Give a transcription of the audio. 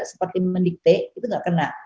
seperti mendikte itu nggak kena